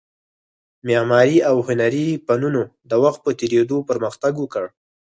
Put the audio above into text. معماري او هنري فنونو د وخت په تېرېدو پرمختګ وکړ